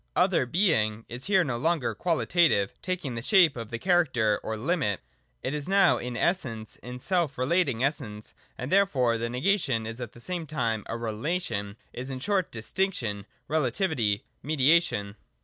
Other being is here no longer qualitative, taking the shape of the character or limit. It is now in Essence, in self relating essence, and therefore the negation is at the same time a relation, — is, in short, Distinction, Re lativity, Mediation.